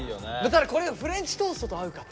ただこれがフレンチトーストと合うか。